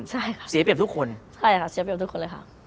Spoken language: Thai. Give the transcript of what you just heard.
ใช่ค่ะใช่ค่ะเสียเปรียบทุกคนเลยค่ะ